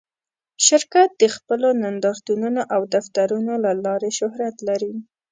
شرکت د خپلو نندارتونونو او دفترونو له لارې شهرت لري.